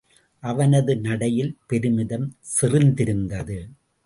அவனது நடையில் பெருமிதம் செறிந்திருந்தது.